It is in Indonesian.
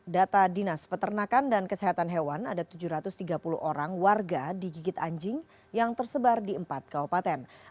data dinas peternakan dan kesehatan hewan ada tujuh ratus tiga puluh orang warga digigit anjing yang tersebar di empat kabupaten